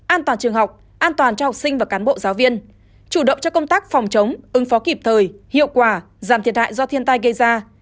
an toàn trường học an toàn cho học sinh và cán bộ giáo viên chủ động cho công tác phòng chống ứng phó kịp thời hiệu quả giảm thiệt hại do thiên tai gây ra